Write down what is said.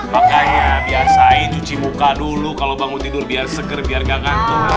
makanya biasain cuci muka dulu kalau bangun tidur biar seger biar gak ngantuk